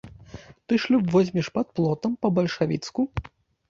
Ты шлюб возьмеш пад плотам, па-бальшавіцку.